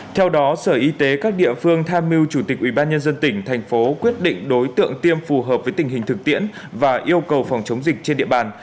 theo đó sở y tế các địa phương tham mưu chủ tịch ubnd tỉnh thành phố quyết định đối tượng tiêm phù hợp với tình hình thực tiễn và yêu cầu phòng chống dịch trên địa bàn